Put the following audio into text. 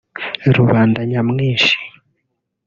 rubanda nyamwinshi